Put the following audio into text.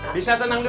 bisa tenang dulu